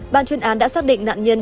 ban chuyên án đã xác định nạn nhân